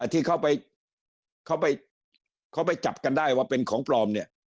ที่เขาไปเขาไปเขาไปจับกันได้ว่าเป็นของพรอมนี่